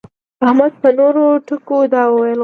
احمد په نورو ټکو دا ويل غواړي.